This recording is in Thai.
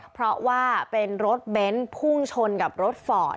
เพราะว่าเป็นรถเบนท์พุ่งชนกับรถฟอร์ด